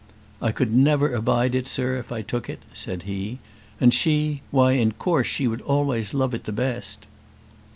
"I could never abide it, sir, if I took it," said he; "and she, why in course she would always love it the best."